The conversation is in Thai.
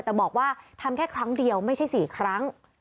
แต่บอกว่าทำแค่ครั้งเดียวไม่ใช่๔ครั้ง